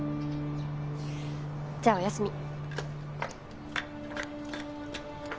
じゃあおやすみ。